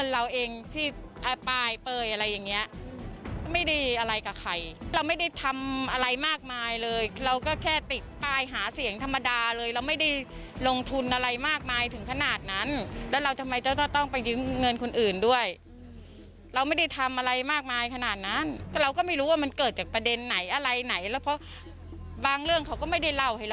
เราก็ไม่รู้สาเหตุมาจากไหนอะไรยังไง